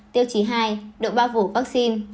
tiêu chí hai độ bao vụ vaccine